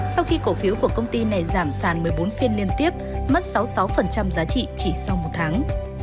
sau khi cổ phiếu của công ty này giảm sản một mươi bốn phiên liên tiếp mất sáu mươi sáu giá trị chỉ sau một tháng